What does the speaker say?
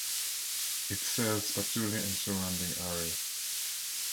It serves Patuli and surrounding area.